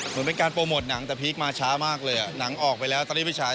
เหมือนเป็นการโปรโมทหนังแต่พีคมาช้ามากเลยอ่ะหนังออกไปแล้วตอนนี้พี่ชาย